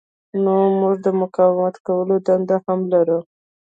نو موږ د مقاومت کولو دنده هم لرو.